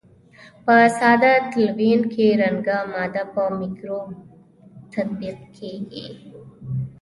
په ساده تلوین کې رنګه ماده په مکروب تطبیق کیږي.